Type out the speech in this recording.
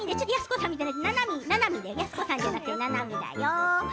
やすこさんじゃなくてななみだよ。